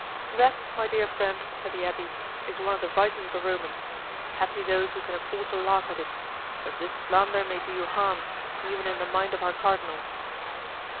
"That, my dear friend," said the abbé, "is one of the vices of the Romans; happy those who can afford to laugh at it; but this slander may do you harm, even in the mind of our cardinal."